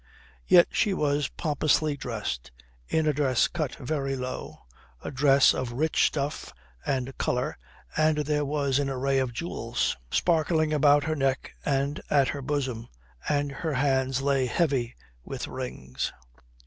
Yet she was pompously dressed, in a dress cut very low, a dress of rich stuff and colour, and there was an array of jewels sparkling about her neck and at her bosom, and her hands lay heavy with rings.